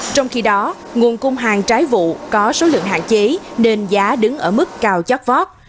trong khi đó nguồn cung hàng trái vụ có số lượng hạn chế nên giá đứng ở mức cao chót vót